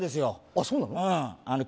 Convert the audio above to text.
あそうなの？